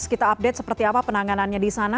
kita update seperti apa penanganannya di sana